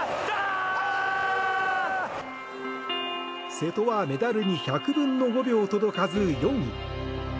瀬戸はメダルに１００分の５秒届かず４位。